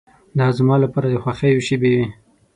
دا زما لپاره د خوښیو شېبې وې.